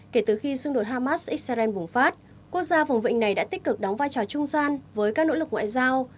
kể từ khi xung đột hamas israel bùng phát quốc gia vùng vịnh này đã tích cực đóng vai trò trung gian với các nỗ lực ngoại giao